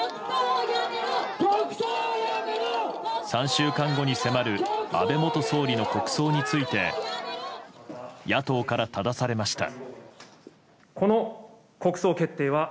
３週間後に迫る安倍元総理の国葬について野党からただされました。